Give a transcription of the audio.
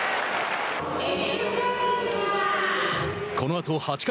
このあと８回。